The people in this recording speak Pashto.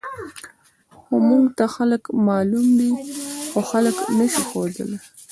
خو موږ ته خلک معلوم دي، خو خلک نه شو ښودلی.